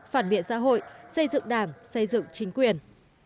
phản biện xã hội xây dựng đảng xây dựng chính quyền